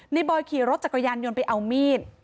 บอยขี่รถจักรยานยนต์ไปเอามีด